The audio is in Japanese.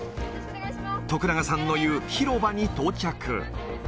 徳永さんの言う広場に到着。